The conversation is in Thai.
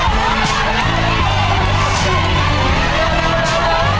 ต้องมีความต้องมีความ